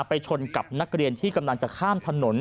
ชนกับนักเรียนที่กำลังจะข้ามถนน